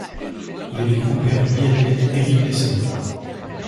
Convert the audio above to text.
Il est le grand-père du biathlète Erik Lesser.